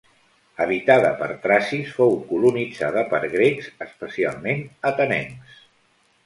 Habitada per tracis, fou colonitzada per grecs, especialment atenencs.